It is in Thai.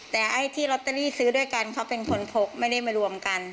แต่ไอ้ที่ลอตเตอรี่ซื้อด้วยกันเขาเป็นคนพกไม่ได้มารวมกัน